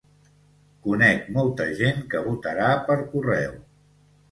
Conec molta gent que votarà per correu.